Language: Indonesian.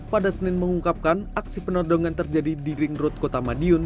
pada senin mengungkapkan aksi penodongan terjadi di ring road kota madiun